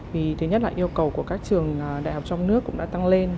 vì thứ nhất là yêu cầu của các trường đại học trong nước cũng đã tăng lên